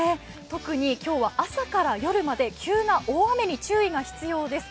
特に今日は朝から夜まで急な大雨に注意が必要です。